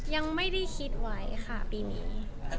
ยังไม่ได้คิดไว้ค่ะปีนี้